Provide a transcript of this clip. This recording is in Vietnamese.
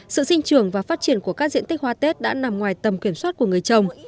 sự sinh trưởng và phát triển của các diện tích hoa tết đã nằm ngoài tầm kiểm soát của người trồng